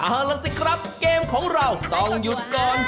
เอาล่ะสิครับเกมของเราต้องหยุดก่อน